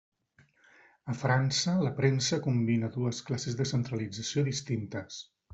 A França, la premsa combina dues classes de centralització distintes.